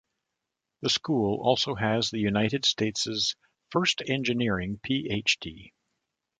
The school also has the United States' first engineering Ph.D.